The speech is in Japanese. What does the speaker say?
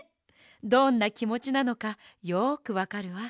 どんなきもちなのかよくわかるわ。